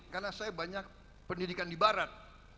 karena saya banyak pendidikan di barat